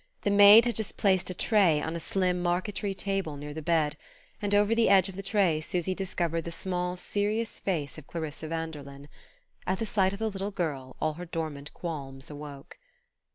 The maid had just placed a tray on a slim marquetry table near the bed, and over the edge of the tray Susy discovered the small serious face of Clarissa Vanderlyn. At the sight of the little girl all her dormant qualms awoke.